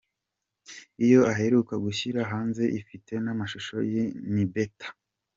Iyo aheruka gushyira hanze ifite n’amashusho ni ‘Better’.